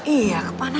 iya kebanyakan aja